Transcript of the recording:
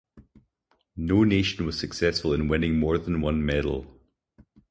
No nation was successful in winning more than one medal.